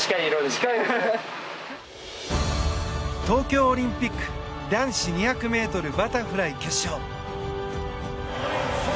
東京オリンピック男子２００ｍバタフライ決勝。